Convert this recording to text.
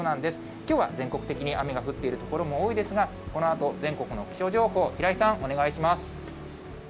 きょうは全国的に雨が降っている所も多いですが、このあと、全国の気象情報、平井さん、お願いします。